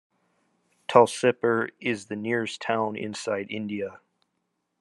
Tulsipur is the nearest town inside India.